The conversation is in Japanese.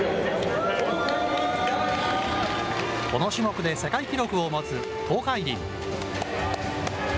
この種目で世界記録を持つ東海林。